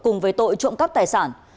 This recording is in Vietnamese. cùng với tội trộm cắp tài sản